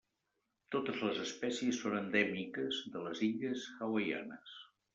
Totes les espècies són endèmiques de les illes hawaianes.